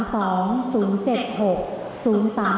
ตอนที่๒๑